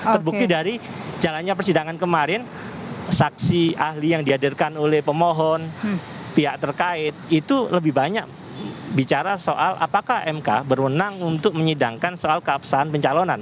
terbukti dari jalannya persidangan kemarin saksi ahli yang dihadirkan oleh pemohon pihak terkait itu lebih banyak bicara soal apakah mk berwenang untuk menyidangkan soal keabsahan pencalonan